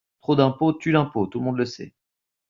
Trop d’impôt tue l’impôt, tout le monde le sait.